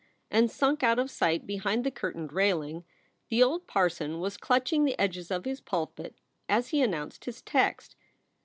and sunk out of sight behind the curtained railing, the old parson was clutching the edges of his pulpit as he announced his text.